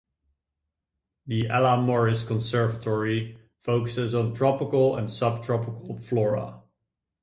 The Ella Morris Conservatory focuses on tropical and subtropical flora.